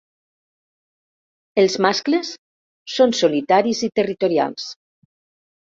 Els mascles són solitaris i territorials.